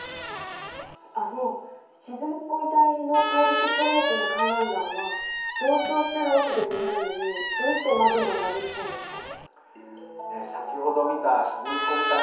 あの沈み込み帯の大陸プレートのかんらん岩は上昇してるわけでもないのにどうしてマグマができたんですか？